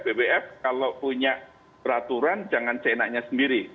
bwf kalau punya peraturan jangan seenaknya sendiri